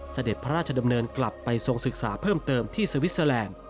เสด็จพระราชดำเนินกลับไปทรงศึกษาเพิ่มเติมที่สวิสเตอร์แลนด์